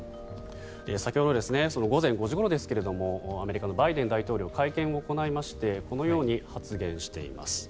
先ほど午前５時ごろアメリカのバイデン大統領会見を行いましてこのように発言しています。